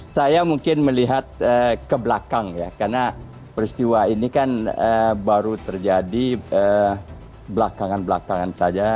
saya mungkin melihat ke belakang ya karena peristiwa ini kan baru terjadi belakangan belakangan saja